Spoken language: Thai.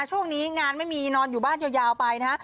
ช่วงนี้งานไม่มีนอนอยู่บ้านยาวไปนะฮะ